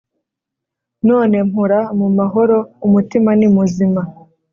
None mpora mu mahoro umutima ni muzima